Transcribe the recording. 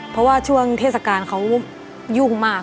เพราะว่าช่วงเทศกาลเขายุ่งมาก